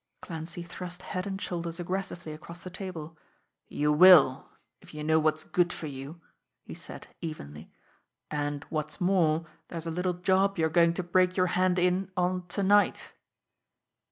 Clancy thrust head and shoulders aggressively across the table. "You will if you know what's good for you!" he said evenly. "And, what's more, there's a little job you're going to break your hand in on to night."